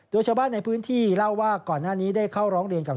โดยชาวบ้านในพื้นที่เล่าว่าก่อนหน้านี้ได้เข้าร้องเรียนกับ